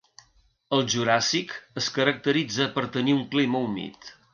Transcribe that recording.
El Juràssic es caracteritza per tenir un clima humit.